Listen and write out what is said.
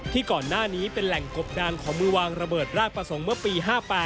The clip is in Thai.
ก่อนหน้านี้เป็นแหล่งกบดานของมือวางระเบิดราชประสงค์เมื่อปี๕๘